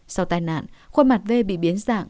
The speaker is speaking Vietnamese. sau tai nạn khuôn mặt v bị biến dạng